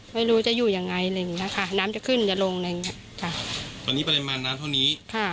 ไม่รู้จะอยู่ยังไงเลยแบบนี้นะคะน้ำจะขึ้นจะลงแบบนี้ค่ะตอนนี้ปริมาณน้ำเท่านี้ค่ะ